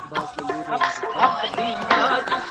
رب العالمين خاوند ته دا طريقه ښوولې ده.